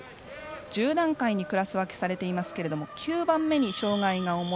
１０段階にクラス分けされていますけれども９番目に障がいが重い